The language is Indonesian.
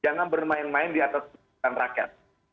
jangan bermain main di atas tuntutan rakyat